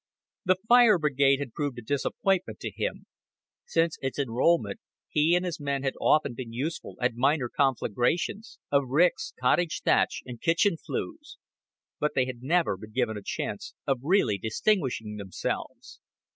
The fire brigade had proved a disappointment to him. Since its enrollment he and his men had often been useful at minor conflagrations, of ricks, cottage thatch, and kitchen flues; but they had never been given a chance of really distinguishing themselves.